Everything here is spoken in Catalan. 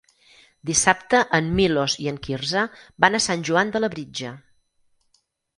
Dissabte en Milos i en Quirze van a Sant Joan de Labritja.